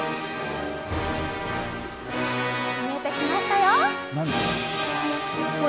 見えてきましたよ。